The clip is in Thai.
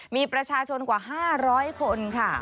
มีประชาชนกว่า๕๐๐คนค่ะ